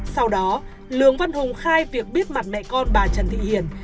sau đó lường văn hùng khai việc biết mặt mẹ con bà trần thị hiền